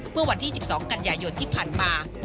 เมื่อวันที่๑๒กันยายนที่ผ่านมา